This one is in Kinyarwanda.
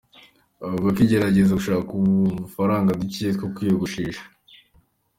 Avuga ko agerageza gushaka udufaranga duke two kwiyogoshesha.